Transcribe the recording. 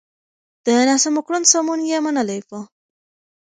د ناسمو کړنو سمون يې منلی و.